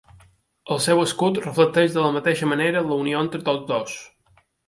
El seu escut reflecteix de la mateixa manera la unió entre tots dos.